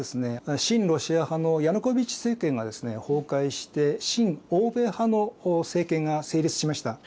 親ロシア派のヤヌコビッチ政権が崩壊して親欧米派の政権が成立しました。